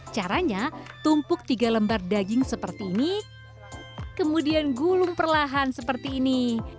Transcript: caranya tumpuk tiga lembar daging seperti ini kemudian gulung perlahan seperti ini